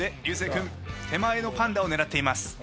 流星君手前のパンダを狙っています。